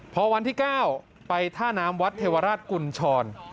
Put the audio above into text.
พอวันที่๙ไปท่าน้ำวัดเทวราชกุญชร